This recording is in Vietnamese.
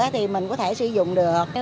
thì mình có thể sử dụng được